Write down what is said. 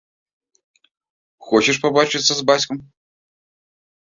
Хочаш пабачыцца з бацькам?